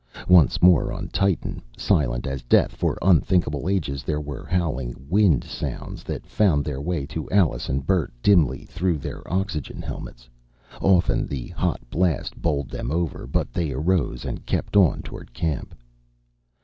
Once more on Titan, silent as death for unthinkable ages, there were howling wind sounds that found their way to Alice and Bert dimly through their oxygen helmets. Often the hot blast bowled them over, but they arose and kept on toward camp.